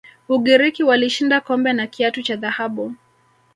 ugiriki walishinda kombe na kiatu cha dhahabu